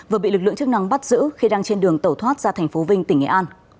vừa bị lực lượng chức năng bắt giữ khi đang trên đường tẩu thoát ra thành phố vinh tỉnh nghệ an